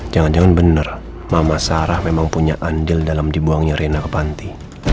jangan jangan benar mama sarah memang punya andil dalam dibuangnya rina ke panti